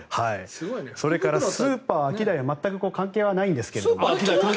それからスーパーアキダイ全く関係はないですが。